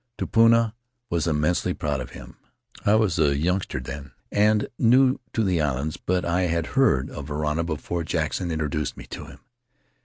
Tupuna was immensely proud of him. I was a youngster then and new to the islands, but I had heard of Varana before Jackson introduced me to him.